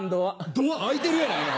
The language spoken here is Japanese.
ドア開いてるやないの。